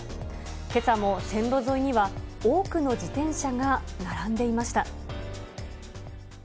けさも線路沿いには多くの自転車が並んでいました。